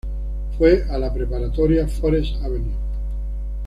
Fue a la Preparatoria Forest Avenue.